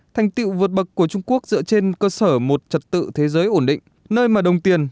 thành tiệu vượt bậc của trung quốc dựa trên cơ sở một trật tự thế giới ổn định nơi mà đồng tiền